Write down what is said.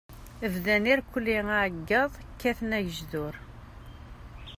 Bdan irkelli aεeggeḍ, kkaten agejdur.